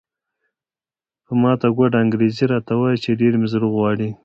په ماته ګوډه انګریزي راته وایي چې ډېر مې زړه غواړي.